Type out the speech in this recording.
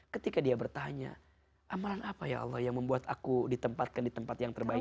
ketika dia bertanya amalan apa ya allah yang membuat aku ditempatkan di tempat yang terbaik